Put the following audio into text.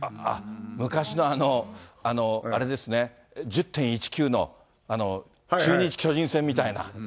昔のあれですね、１０・１９の中日・巨人戦みたいな。